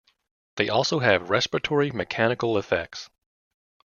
They also have respiratory mechanical effects.